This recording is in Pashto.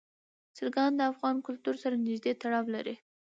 چرګان د افغان کلتور سره نږدې تړاو لري.